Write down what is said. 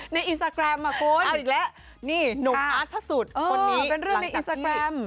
ในอินสตาแกรมอะคุณอ้าวอีกแล้วนี่หนูอาร์ดพระสุดคนนี้หลังจากที่เป็นเรื่องในอินสตาแกรม